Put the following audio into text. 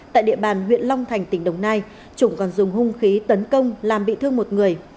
tại địa bàn huyện long thành tỉnh đồng nai trùng còn dùng hung khí tấn công làm bị thương một người